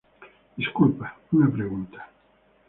disculpa, una pregunta